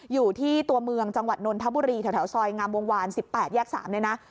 อยู่ที่ตัวเมืองจังหวัดนนทบุรีแถวซอยงามวงวาน๑๘แยก๓เนี่ยนะ